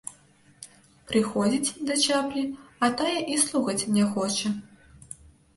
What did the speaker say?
Прыходзіць да чаплі, а тая і слухаць не хоча.